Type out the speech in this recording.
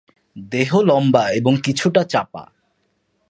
দেহ লম্বা এবং কিছুটা চাপা।